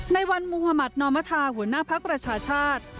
ในวันมุหมาธนมธาหัวหน้าภาคประชาชาติ